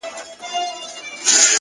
هوښیار انتخاب وخت خوندي کوي!